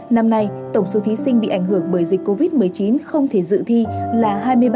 năm nay tổng số thí sinh bị ảnh hưởng bởi dịch covid một mươi chín không thể dự thi là hai mươi ba năm trăm sáu mươi chín